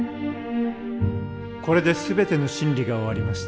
これで全ての審理が終わりました。